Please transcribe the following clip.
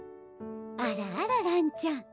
あらあららんちゃん